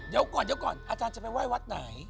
เดี๋ยวก่อนอาจารย์จะไปไหว้วัดไหน